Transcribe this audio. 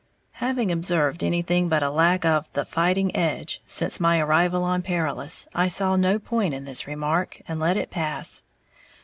Having observed anything but a lack of the "fighting edge" since my arrival on Perilous, I saw no point in this remark, and let it pass.